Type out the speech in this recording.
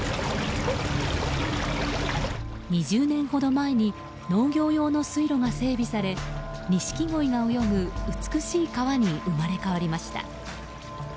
２０年ほど前に農業用の水路が整備されニシキゴイが泳ぐ美しい川に生まれ変わりました。